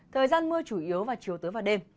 thời gian mưa chủ yếu vào chiều tối và đêm